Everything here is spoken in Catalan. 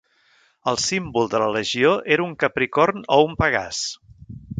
El símbol de la legió era un capricorn o un pegàs.